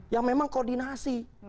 yang memang koordinasi